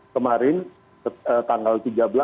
kemarin tanggal tiga belas